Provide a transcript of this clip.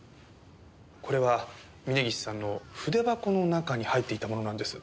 これは峰岸さんの筆箱の中に入っていたものなんです。